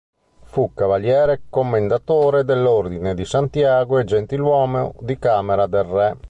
Fu cavaliere commendatore dell'Ordine di Santiago e gentiluomo di Camera del re.